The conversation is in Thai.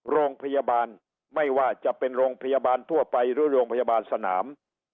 โรงพยาบาลไม่ว่าจะเป็นโรงพยาบาลทั่วไปหรือโรงพยาบาลสนาม